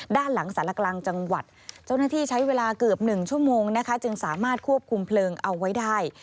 ด้านหลังสารกลางจังหวัดเจ้าหน้าที่ใช้เวลาเกือบ๑ชั่วโมงนะคะจึงสามารถควบคุมเพลิงเอาไว้ได้